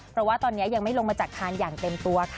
เพราะว่าตอนนี้ยังไม่ลงมาจากคานอย่างเต็มตัวค่ะ